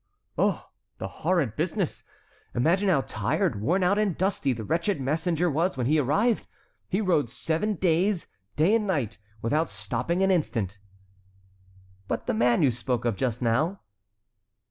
"Oh! the horrid business! Imagine how tired, worn out, and dusty the wretched messenger was when he arrived! He rode seven days, day and night, without stopping an instant." "But the man you spoke of just now?"